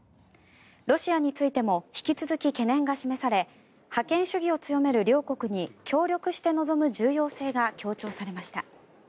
ロシアについても引き続き懸念が示され覇権主義を強める両国に協力して臨む重要性が強調されました。